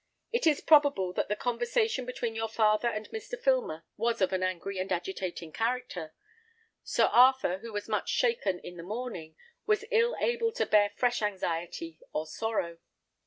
It is probable that the conversation between your father and Mr. Filmer was of an angry and agitating character. Sir Arthur, who was much shaken in the morning, was ill able to bear fresh anxiety or sorrow.